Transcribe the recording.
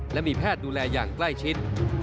และมีแพทย์ดูแลอย่างใกล้ชิด